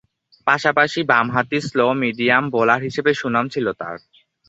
পাশাপাশি, বামহাতি slow-medium bowler হিসেবে সুনাম ছিল তার।